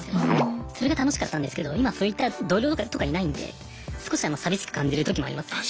それが楽しかったんですけど今そういった同僚とかいないんで少し寂しく感じる時もありますね。